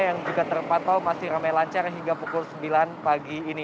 yang juga terpantau masih ramai lancar hingga pukul sembilan pagi ini